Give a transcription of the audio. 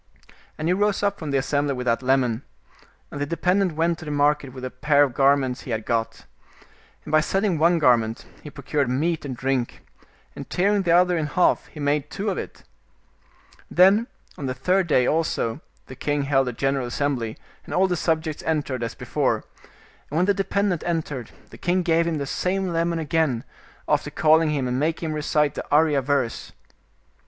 And he rose up from the assembly with that lemon, and the de pendent went to the market with the pair of garments he had got. And by selling one garment he procured meat and drink, and tearing the other in half he made two of it. Then on the third day also the king held a general assem bly, and all the subjects entered, as before, and when the dependent entered, the king gave him the same lemon again, after calling him and making him recite the Arya verse.